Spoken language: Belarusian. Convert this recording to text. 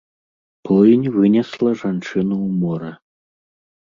Плынь вынесла жанчыну ў мора.